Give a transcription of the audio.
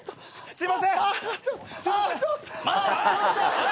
すいません！